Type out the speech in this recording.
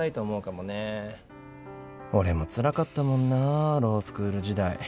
俺もつらかったもんなぁロースクール時代。